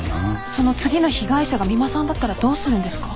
その次の被害者が三馬さんだったらどうするんですか？